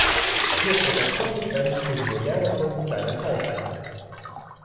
Hier trat er konsequent für die moderne Kunst seiner Zeit ein.